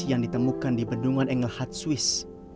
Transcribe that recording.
yang ditemukan di bendungan engahad swiss